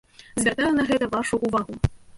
Звяртаю на гэта вашу увагу.